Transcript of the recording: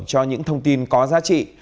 cho những thông tin có giá trị